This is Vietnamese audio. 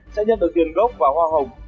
sẽ nhận được tiền gốc và hoa hồng